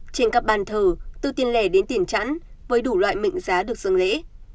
trên các ban thờ từ tiền lẻ đến tiền chẵn với đủ loại mệnh giá được dâng lễ